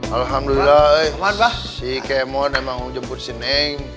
alhamdulillah si kemon emang jemput si neng